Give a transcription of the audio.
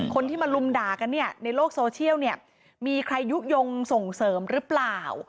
คนที่มาลุมดากันในโลกโซเชลมีใครยุคยงส่งเสริมหรือเปล่า